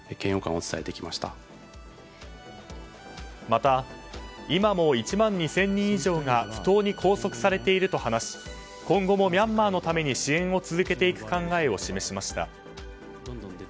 また、今も１万２０００人以上が不当に拘束されていると話し今後もミャンマーのために支援を続けていく考えを示しました。